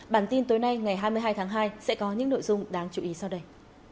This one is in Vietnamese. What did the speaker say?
bản tin tối nay ngày hai mươi hai tháng hai sẽ có những nội dung đáng chú ý sau đây